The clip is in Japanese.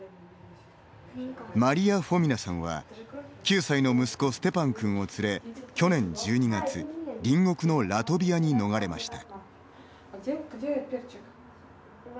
マリア・フォミナさんは９歳の息子ステパンくんを連れ去年１２月隣国のラトビアに逃れました。